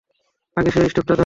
আগে এই স্টেপটা দাও।